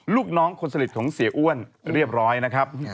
ลูกน้องคนสนิทของเสียอ้วนเรียบร้อยนะครับ